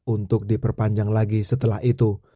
untuk diperpanjang lagi setelah itu